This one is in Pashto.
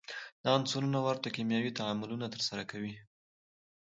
دا عنصرونه ورته کیمیاوي تعاملونه ترسره کوي.